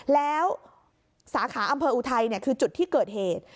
แล้วสาขาอำเภออุทัยคือจุดที่เกิดเหตุ